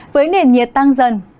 với nền nhiệt tăng dần